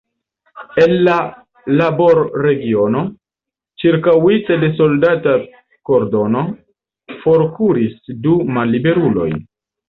El la laborregiono, ĉirkaŭita de soldata kordono, forkuris du malliberuloj.